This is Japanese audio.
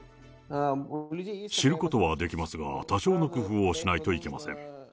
知ることはできますが、多少の工夫をしないといけません。